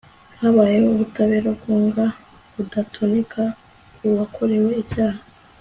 habayeho ubutabera bwunga, budatoneka uwakorewe icyaha